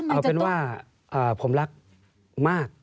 เอาเป็นว่าผมรักมาก